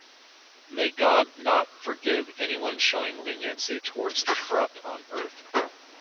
May God not forgive anyone showing leniency toward the corrupt on Earth.